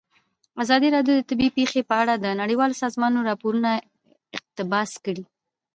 ازادي راډیو د طبیعي پېښې په اړه د نړیوالو سازمانونو راپورونه اقتباس کړي.